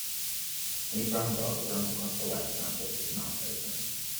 A skinny brown dog runs across the wet sand with his mouth open.